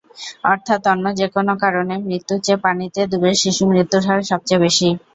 অর্থাৎ অন্য যেকোনো কারণে মৃত্যুর চেয়ে পানিতে ডুবে শিশুমৃত্যুর হার সবচেয়ে বেশি।